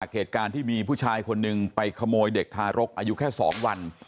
เหตุการณ์ที่มีผู้ชายคนหนึ่งไปขโมยเด็กทารกอายุแค่๒วัน